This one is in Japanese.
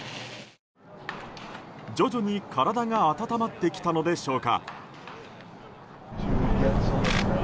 徐々に体が温まってきたのでしょうか。